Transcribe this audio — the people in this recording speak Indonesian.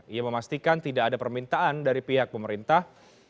ia memastikan tidak ada permintaan dari pihak pemerintah